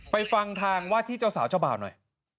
ฟังทางว่าที่เจ้าสาวเจ้าบ่าวหน่อย